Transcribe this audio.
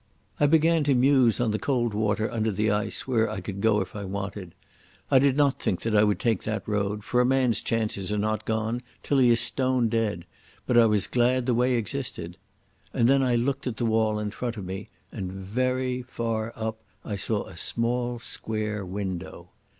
I began to muse on the cold water under the ice where I could go if I wanted. I did not think that I would take that road, for a man's chances are not gone till he is stone dead, but I was glad the way existed.... And then I looked at the wall in front of me, and, very far up, I saw a small square window.